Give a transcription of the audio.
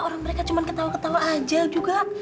orang mereka cuma ketawa ketawa aja juga